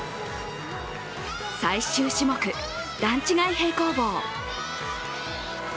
最終種目、段違い平行棒。